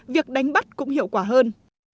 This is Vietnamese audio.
việc đánh bắt cũng hiệu quả hơn